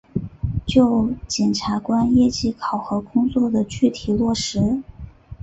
就检察官业绩考评工作的具体落实